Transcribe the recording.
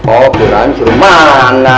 oh berancur mana